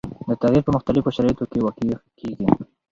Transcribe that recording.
دا تغیر په مختلفو شرایطو کې واقع کیږي.